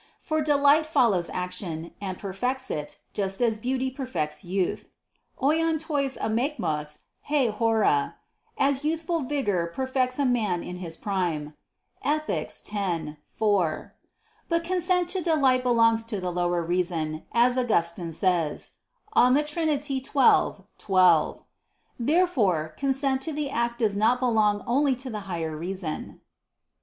For "delight follows action, and perfects it, just as beauty perfects youth" [*_oion tois akmaiois he hora_ as youthful vigor perfects a man in his prime] (Ethic. x, 4). But consent to delight belongs to the lower reason, as Augustine says (De Trin. xii, 12). Therefore consent to the act does not belong only to the higher reason.